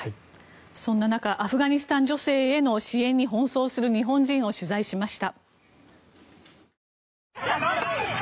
そんな中アフガニスタン女性への支援に奔走する日本人を取材しました。